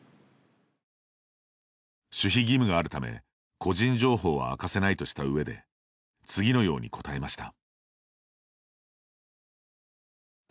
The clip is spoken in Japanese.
守秘義務があるため個人情報は明かせないとした上で次のように答えました。